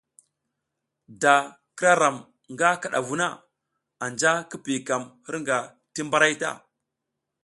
Da k ira ram nga kidavu na, anja ki piykam hirnga ti mbaray ta.